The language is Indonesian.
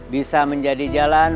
bisa menjadi jalan